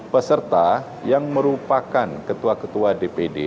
peserta yang merupakan ketua ketua dpd